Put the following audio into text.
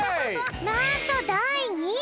なんとだい２い！